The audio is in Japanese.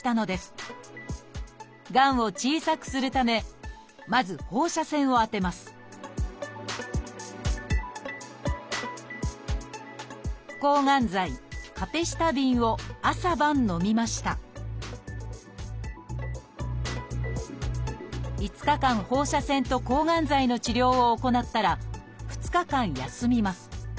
がんを小さくするためまず放射線を当てますを朝晩のみました５日間放射線と抗がん剤の治療を行ったら２日間休みます。